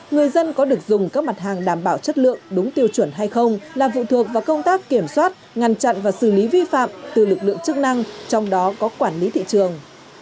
người dân có được dùng các mặt hàng đảm bảo chất lượng đúng tiêu chuẩn hay không là phụ thuộc vào công tác kiểm soát ngăn chặn và xử lý vi phạm từ lực lượng chức năng trong đó có quản lý thị trường